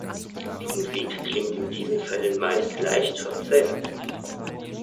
Die Musik klingt in diesen Fällen meist leicht verzerrt.